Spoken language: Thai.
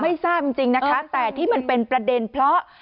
ไม่ทราบจริงนะคะแต่ที่มันเป็นประเด็นเพราะ